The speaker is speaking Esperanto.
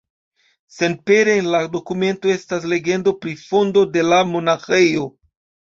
Senpere en la dokumento estas legendo pri fondo de la monaĥejo.